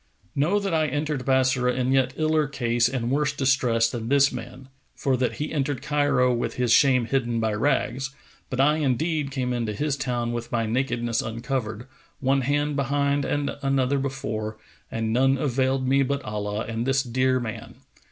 Know that I entered Bassorah in yet iller case and worse distress than this man, for that he entered Cairo with his shame hidden by rags; but I indeed came into his town with my nakedness uncovered, one hand behind and another before; and none availed me but Allah and this dear man.